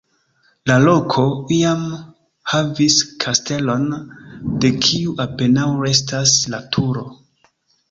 La loko, iam havis kastelon, de kiu apenaŭ restas la turo.